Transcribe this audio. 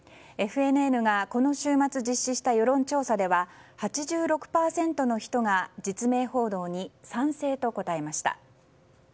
ＦＮＮがこの週末実施した世論調査では８６％の人が実名報道に賛成と答えました。